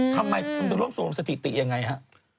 ทำไมคุณจะรวบรวมสถิติยังไงฮะ